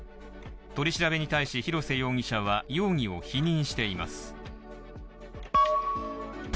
取り調べに対し広瀬容疑者は容疑を否認しています。